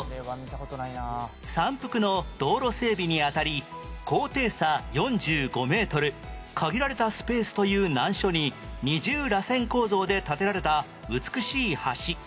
山腹の道路整備にあたり高低差４５メートル限られたスペースという難所に二重らせん構造で建てられた美しい橋